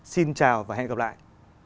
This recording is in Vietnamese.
xin chào và hẹn gặp lại